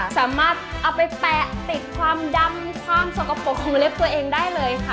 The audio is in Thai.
สามารถเอาไปแปะติดความดำความสกปรกของเล็บตัวเองได้เลยค่ะ